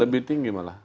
lebih tinggi malah